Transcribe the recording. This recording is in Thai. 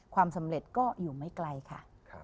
ความสำเร็จก็อยู่ไม่ไกลค่ะ